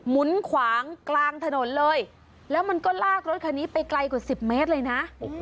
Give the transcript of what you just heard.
หมุนขวางกลางถนนเลยแล้วมันก็ลากรถคันนี้ไปไกลกว่าสิบเมตรเลยนะ